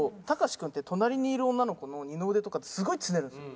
君って隣にいる女の子の二の腕とかすごいつねるんですよ。